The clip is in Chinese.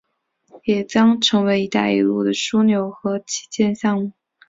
也将成为一带一路的枢纽和旗舰项目。